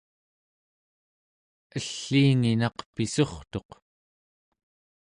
elliinginaq pissurtuq